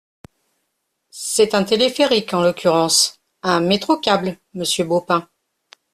C’est un téléphérique, en l’occurrence ! Un métro-câble, monsieur Baupin.